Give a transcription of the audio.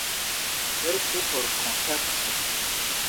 Verku por Kontakto!